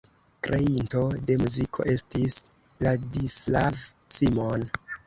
Kreinto de muziko estis Ladislav Simon.